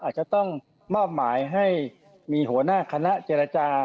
อาจจะต้องมอบหมายให้มีหัวหน้าคณะเจรจา